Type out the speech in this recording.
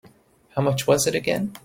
How much was it again?